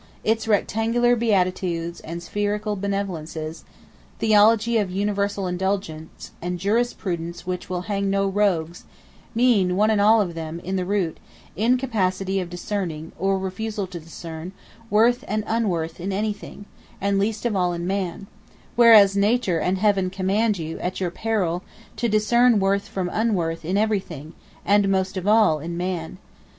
Its rectangular beatitudes, and spherical benevolences, theology of universal indulgence, and jurisprudence which will hang no rogues, mean, one and all of them, in the root, incapacity of discerning, or refusal to discern, worth and unworth in anything, and least of all in man; whereas Nature and Heaven command you, at your peril, to discern worth from unworth in everything, and most of all in man.